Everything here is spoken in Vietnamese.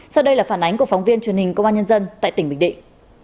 sau đây là phản ánh của phóng viên truyền hình công an nhân dân tại tỉnh bình định